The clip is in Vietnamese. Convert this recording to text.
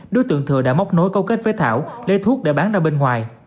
đối tượng thừa đã móc nối câu kết với thảo lấy thuốc để bán ra bên ngoài